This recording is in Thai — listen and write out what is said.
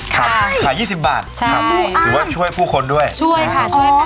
ขาย๒๐บาทหรือว่าช่วยผู้คนด้วยช่วยค่ะช่วยค่ะ